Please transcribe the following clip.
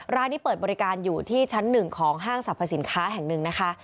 ร้านนี้เปิดบริการอยู่ที่ชั้น๑ของห้างสรรพสินค้าแห่งหนึ่งนะคะ